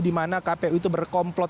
dimana kpu itu berkomplot